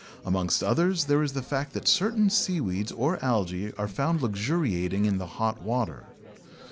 Amongst others there is the fact that certain seaweeds or algæ are found luxuriating in the hot water.